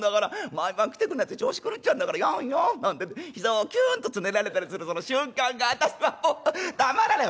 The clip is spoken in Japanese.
毎晩来てくんないと調子狂っちゃうんだからやよ』なんて膝をキュンとつねられたりするその瞬間が私はもうたまらねえ」。